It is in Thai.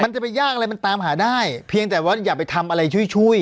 จะไปยากอะไรมันตามหาได้เพียงแต่ว่าอย่าไปทำอะไรช่วย